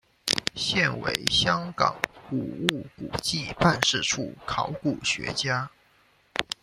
现为香港古物古迹办事处考古学家。